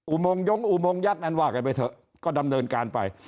โมงยงอุโมงยักษ์อันว่ากันไปเถอะก็ดำเนินการไป